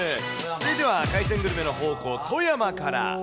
続いては海鮮グルメの宝庫、富山から。